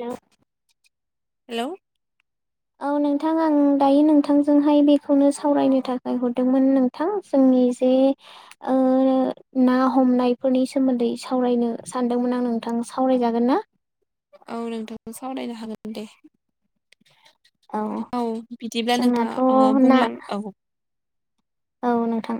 Hello hello औ। नोंथां आं दायो नोंथांजोंहाय बेखौनो सावरायनो थाखाय हरदोंमोन नोंथां जोंनि जे ओ ना हमनायफोरनि सोमोन्दै सावरायनो सानदोंमोन आं नोंथां। सावरायजागोन ना? औ नोंथांखौ सावरायनो हागोन दे। औ बिदिब्ला नोंथाङा जोंनाथ' ओ ना बुंलां औ औ। नोंथां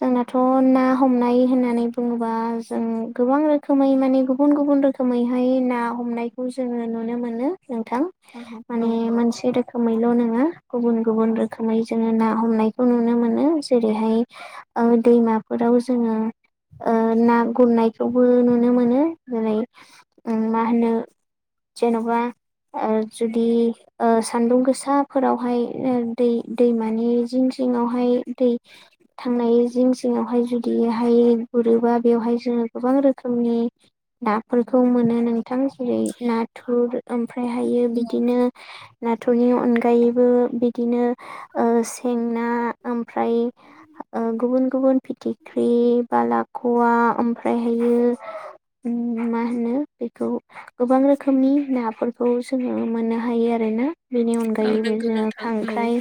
जोंनाथ' ना हमनाय होननानै बुङोबा जों गोबां रोखोमै माने गुबुन गुबुन रोखोमैहाय ना हमनायखौ जोङो नुनो मोनो। नोंथां औ औ माने मोनसे रोखोमैल' नङा गुबुन गुबुन रोखोमै जोंङो ना हमनायखौ नुनो मोनो। जेरैहाय ओ दैमाफोराव जोङो ओ ना गुरनायखौबो नुनो मोनो जेरै मा होनो जेन'बा आ जुदि ओ सान्दुं गोसाफोरावहाय दै दैमानि जि सिङावहाय दै थांनाय जिं सिङावहाय जुदिहाय गुरोबा बेवहाय जोङो गोबां रोखोमनि नाफोर खौ मोन नों थां जेरै नाथुर ओमफ्रायहायो बिदिनो नाथुरनि अनगायैबो बि दिनो ओ सें ना ओमफ्राय ओ गुबुन गुबुन फिथिख्रि बा लाख'वा ओमफ्रायहायो उम उम मा होनो बेखौ गोबां रोखोमनि नाफोरखौ जोङो मोननो हायो आरो ना? बेनि अनगायैबो नंगौ जोङो नोंथां खांख्राइ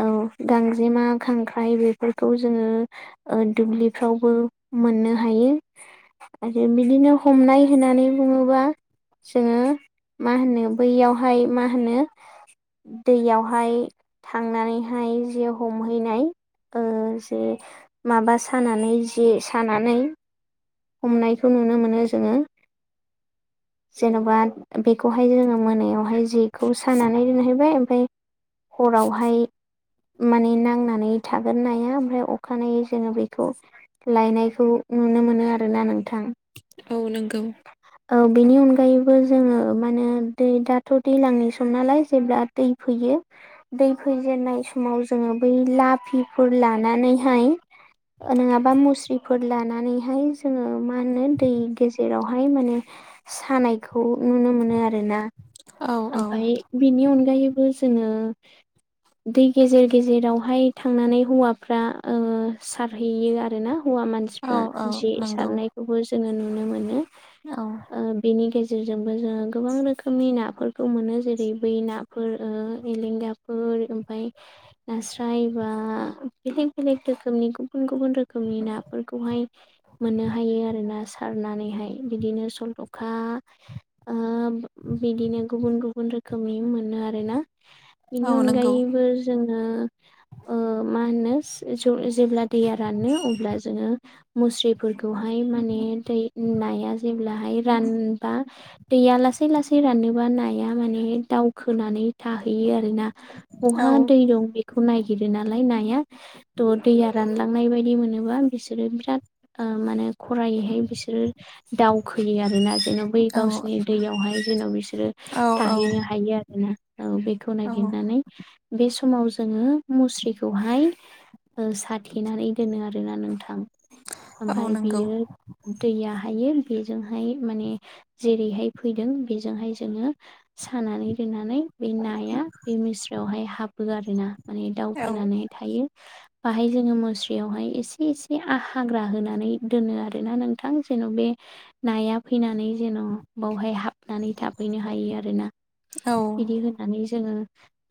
औ गां जेमा खांख्राइ बेफोरखौ जोङो ओ दुब्लिफ्रावबो मोननो हायो। आरो बिदिनो हमनाय होननानै बुङोब्ला जोङो मा होनो बैयावहाय मा होनो दैयावहाय थांनानैहाय जि हमहैनाय ओ जे माबा सानानै जे सानानै हमनायखौ नुनो मोनो जोङो जेन'बा बेखौहाय जोङो मोनायावहाय जेखौ सानानै दोनहैबाय ओमफफ्राय हरावहाय माने नांनानै थागोन नाया ओमफ्राय अखानायै जोङो बेखौ लायनायखौ नुनो मोनो आरो आरोना नोंथां औ नंगौ औ बेनि अनगायैबो जोङो मानो दै दाथ' दैलांनि सम नालाय जेब्ला दै फैयो दै फैजेननाय समाव जोङो बै लाफिफोर लानानैहाय ऩङाबा मुस्रिफोर लानानैहाय जोङो मा होनो दै गेजेरावहाय माने सानायखौ नुनो मोनो आरोना ओमफाय बिनि अनगायैबो जोङो दै गेजेर गेजेरावहाय थांनानै हौवाफ्रा सारहैयो आरो ना हौवा औ मानसिफ्रा जे नंगौ सारनायखौबो जोङो नुनो मोनो औ बेनि गेजेराव बेजों जोङो गोबां रोखोमनि नाफोर खौ मोनो जेरै बै नाफोर एलेंगाफोर ओमफफ्राय नास्राय बा आ बेलेग बेलेग रोखोमनि गुबुन गुबुन रोखोमनि नाफोरखौहाय मोननो हायो आरोना सारनानैहाय बिदिनो सल'खा ओब बिदिनो गुबुन गुबुन रोखोमनि मोनो आरो ना बेनि औ नंगौ अनगायैबो जोङो ओ मा होनो जे‌ब्ला दैया रानो अब्ला जोङो मुश्रि [unintelligible] हाय माने दै नाया जेब्लाहाय रानबा दैया लासै लासै रानोबा नाया माने दावखोनानै थाहैयो आरो ना औ बहा दै दं बेखौ नायिग गिरो नालाय नाया थ' दैया रानलांनाय बायदि मोनोबा बिसोरो बिराद माने खरायैहाय बिसोरो दावखोयो आरो [unintelligible] बै औ गावसोरनि दैयावहाय जेन' बिसोरो औ औ थाहैनो हायो आरोना औ बेखौ औ नागिरनानै बे समाव जोङो मुस्रिखौहाय साथेनानै दोनो आरोना नोंथां औ ओमफ्राय नंगौ बियो दैया हायो बेजोंहाय माने जेरैहाय फैदों बेजोंहाय जोङो सानानै दोननानै बे नाया बे मिस्रायावहाय हाबो आर ना माने औ दावखोनानै थायो बाहाय जोङो मुस्रियावहाय एसे एसे आहां हग्रा होनानै दोनो आरोना नोंथां जेन' बे नाया फैनानै जेन' बावहाय हाब थाबनानै थाफहैनो हायो आरोना औ बिदि होनानै जोङो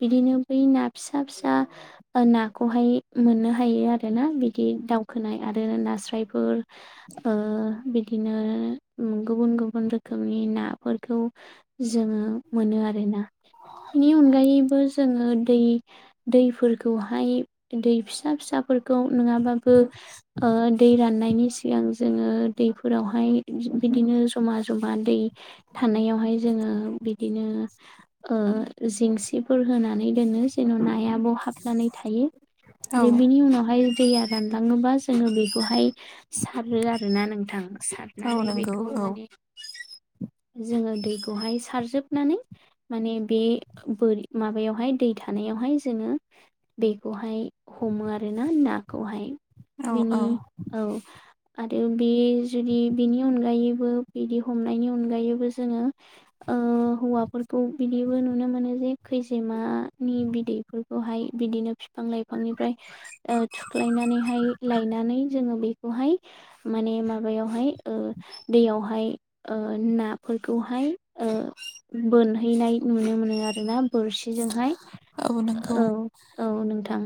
बिदिनो बै ना फिसा फिसा ओ नाखौहाय मोननो हायो आरो ना बिदि इ दावखोनाय आरो नास्राइफोर ओ बि बिदिनो गुबुन गुबुन रोखोमनि नाफोरखौ जोङो मोनो आरोना बेनि अनगायैबो जोङो दै दैफोरखौहाय दै फिसा फिसाफोरखौ नङाबाबो ओ दै राननायनि सिगां जोङो दैफोरावहाय बि बिदिनो जमा जमा दै थानाय नियावहाय जोङो बिदिनो ओहो जेंसिफोर होना नै दोनो सेना ना नाया बाव हाबनानै थायो औ आरो बिनि उनावहाय दैया रानलाङोबा जोङो बे बेखौहाय सारो आरोना नोंथां औ सारनानै नंगौ बेखौ औ माने [inaudible] जोङो दैखौहाय सारजोबनानै माने बे बोर माबायावहाय दै थानायाव वहाय जोङो बेखौहाय हमो आरोना नाखौहाय औ बिनि औ औ आरो बे जुदि बिनि अनगायैबो बिदि हमनायनि अनगायैबो जोङो ओ हौवाफोरखौ बिदिबो नुनो मोनो जे खैजेमानि बिदैफोरखौहाय बिदिनो फि बिफां लाइफांनिफ्राय ओ थुख्लायनानैहाय लायनानै जों बेखौहाय माने माबायावहाय दैयावहाय ना बेखौहाय ओ बोनहैनाय नुनो मोनो आरोना बोरसिजोंहाय औ नंगौ औ औ नोंथां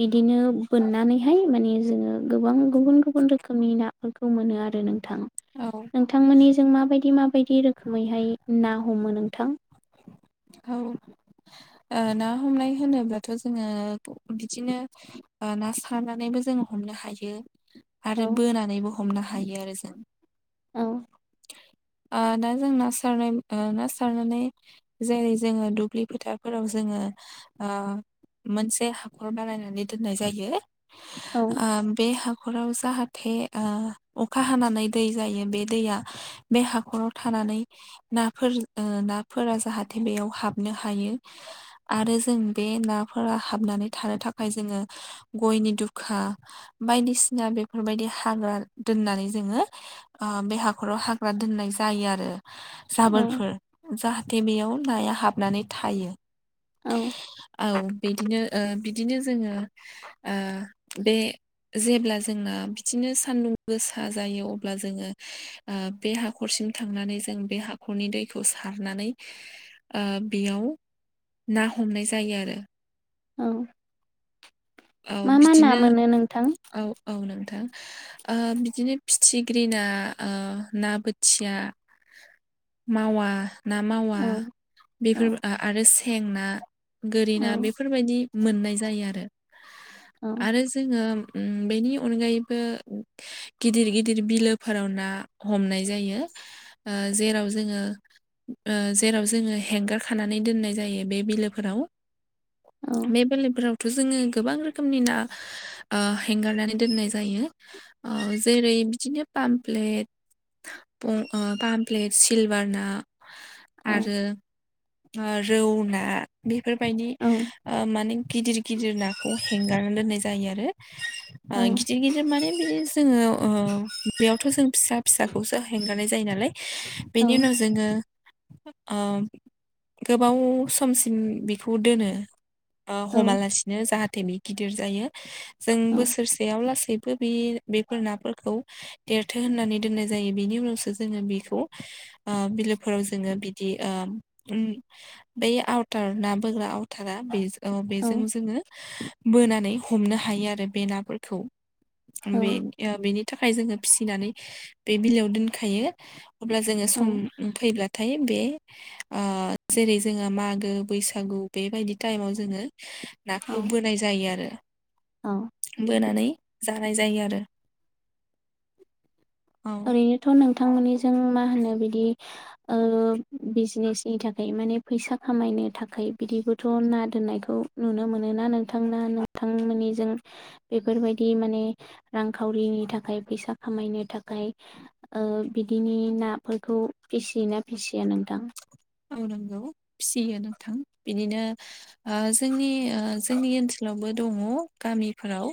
बिदिनो बोननानैहाय माने जोङो गोबां गुबुन गुबुन रोखोम खोमनि नाफोरखौ मोनो आरो नोंथां औ नोंथांमोननिजों माबायदि माबायदि दि रोखोमैहाय ना हमो नोंथां? औ ओ ना हमनाय होनोब्लाथ' जोङो बिदिनो आ ना सारनानै जों हमनो हायो आरो औ बोनानैबो हमनो हायो आरो जों औ [inaudible] ओ दा जों ना सारनाय ओ ना सारनानै जेरै जोङो दुब्लि फोथारफोराव जोङो ओ मोनसे हाखर बानायनानै दोननाय जायो। औ आ बे ह खराव जाहाथे ओ अखा हानानै दै जायो बे दैया बे हाखराव थानानै नाफोर नाफोरा जाहाथे बेयाव हाबनो हायो [unintelligible] आरो जों बे नाफोरा हाबनानै थानो थाखाय जोङो गयनि दुखा हा बायदिसिना बेफोरबायदि हाग्रा दोननानै जोङो बे हाग खराव हाग्रा दोननाय जायो आरो औ जाबोरफोर जाहाथे बेयाव नाया हाबनानै थायो औ औ बिदिनो ओ बिदिनो जोङो ओ बे जेब्ला जोंना बि बिदिनो सान्दुं गोसा जायो अब्ला जोङो ओ बे हाखरसिम थांनानै जों बे हाखरनि दैखौ सारनानै ओ बेयाव ना हमनाय जायो आरो औ औ मा मा ना मोनो नोंथां? थां ओ बिदिनो फिथिग्रिना ना बोथिया [inaudible] मावा ना मावा औ औ बेफोर आरो सें ना औ गोरिना बेफोरबायदि मोननाय जायो आरो औ आरो जोङो उम बेनि अनगायैबो गिदिर गिदिर बिलोफोराव ना हमनाय जायो ओ जेराव जोङो ओ जेराव जोङो हेंगार खानानै दोननाय जायो बे बिलोफोराव औ बे बेलेगफोरावथ' जोङो गोबां रोखोमनि ना हेंगारनानै दोननाय जायो जेरै- बिदिनो पामप्लेट, पं पामप्लेट, सिलभार ना औ आरो रौ ना बे बेफोरबायदि औ माने गिदिर गिदिर नाखौ हेंगारना दोननाय जायो आरो ओ गिदिर गिदिर माने बिदिनो जोङो ओ बेयावथ जों फिसा फिसाखौसो हेंगारनाय जायो नालाय बेनि उनाव जोङो ओ‌ गोबाव समसिम बेखौ दोनो ओ हमालासिनो जाहा- बे गिदिर जायो जों बोसोरसेयाव लासैबो बे बेफोर नाफोरखौ देरथो होननानै दोननाय जायो बिनि उनावसो जोङो बेखौ बिलोफोराव जोङो बिदि उम बे आवटार ना बोग्रा आवथारा बेजों ओं बेजों जोङो बोनानै हमनो हायो आरो बे नाफोरखौ। औ बे बेनि थाखाय जोङो फिसिनानै बे बिलोयाव दोनखायो। अब्ला जोङो औ सम फैब्ला नाथाय बे आ जेरै जोङो मागो, बैसागु बेबायदि टाइमाव जोङो औ खौ औ बोनाय जायो आरो बोनानै जानाय जायो आरो औ ओरैनोथ नोंथांमोननिजों मा होनो बिदि ओ बिजनेसनि थाखाय माने फैसा खामायनो थाखाय बिदिबोथ‌ ना दोननायखौ नुनो मोनो ना नोंथां ना नोंथांमोननि जों बेफोरबायदि माने रांखावरिनि थाखाय फैसा खामायनो थाखाय बिदिनि नाफोरखौ फिसियोना फिसिया नोंथां? मावनांगौ फिसियो नोंथां बिदिनो ओ जोंनि जोंनि ओनसोलाव दङ गामिफोराव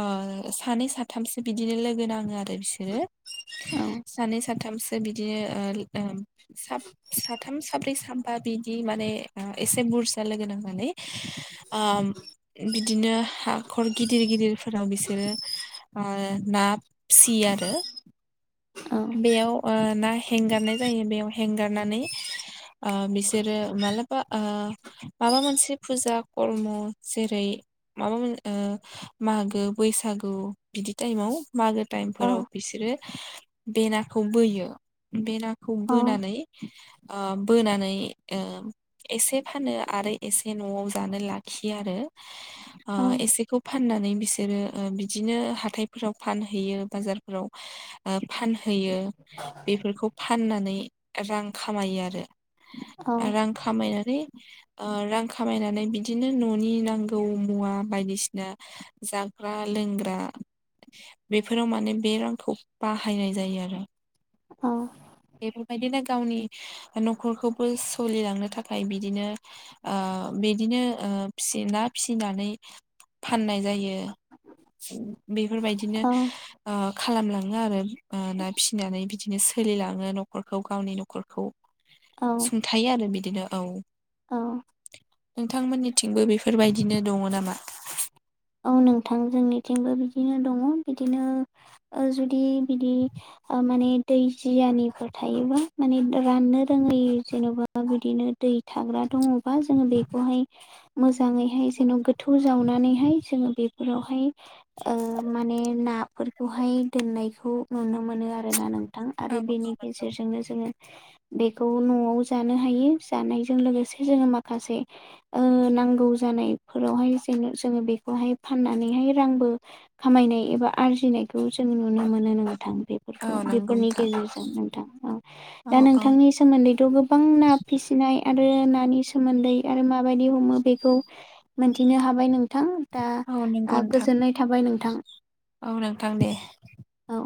ओ सानै साथामसो बिदिनो लोगो नाङो आरो बिसोरो औ सानै साथामसो बिदिनो ओ लो साब साथाम साब्रै साबबा बिदि माने ओ एसे बुरजा लोगो नांनानै ओ बिदिनो हाखर गिदिर गिदिरफोराव बिसोरो ओ ना फिसियो आरो [inaudible] बेयाव ओ ना हेंगारनाय जायो बेयाव हेंगारनानै [inaudible] ओ बिसोरो मालाबा माबा मोनसे फुजा खर्म' जेरै माबा मोन ओ मागो, बैसागु बिदि टाइमाव मागो टाइमफोराव औ बिसोरो बेनाखौ बोयो बेना खौ औ बोनानै बोनानै एसे फानो आरो एसे न'आव जानो लाखियो आरो [inaudible] आ औ एसेखौ फाननानै बिसोरो ओ बिदिनो हाथायफोराव फानहैयो बाजारफोराव फान होयो बेफोरखौ फाननानै रां खामायो आरो औ रां खामायनानै रां खामायनानै बिदिनो न'नि नांगौ मुवा बायदिसिना जाग्रा लोंग्रा बेफोराव माने बे रांखौ बाहायनाय जायो आरो औ बेफोरबायदिनो गावनि न'खरखौबो सोलिलांनो थाखाय बिदिनो ओ बिदिनो ओ जे ना फिसिनानै फाननाय जायो बेफो बेफोरबायदिनो औ ओ खालामलाङो। [unintelligible] आरो ना फिसिनानै बिदिनो सोलिलाङो न'खरखौ गावनि न'खरखौ औ सुंथायो आरो बिदिनो औ औ नोंथांमोननिथिंबो बेफोरबायदिनो दङ नामा? औ नोंथां जोंनिथिंबो बिदिनो दङ बिदिनो ओ जुदि बिदि ओ माने दै जियानिफोर थायोबा माने राननो रोङै जेनबा बिदिनो दै थाग्रा दङ। बा जोङो बेखौहाय मोजाङैहाय जेन गोथौ जावनानैहाय जोङो बेफोरावहाय ओ माने नाफोरखौहाय दोननायखौ नुनो मोनो आरोना नोंथां औ आरो बेनि गेजेरजोंनो जोङो बेखौ न'आव जानो हायो जानायजों लोगोसे जोङो माखासे ओ नांगौ जान नाय फोरावहाय जोङो जों बेफो खौहाय फाननानैहाय रांबो खामायनाय एबा आरजिनायखौ जों नुनो मोनो नोंथां। औ बेफोरखौ नंगौ बेफोरनि नोंथां गेजेरजों नोंथां औ दा औ नोंथांनि सोमोन्दैथ गोबां ना फिसिनाय। आरो नानि सोमोन्दै आरो माबायदि हमो बेखौ मोनथिनो हाबाय नोंथां। औ नंगौ दा नोंथां गोजोननाय थाबाय नोंथां औ नोंथां दे औ।